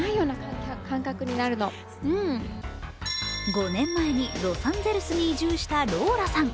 ５年前にロサンゼルスに移住したローラさん。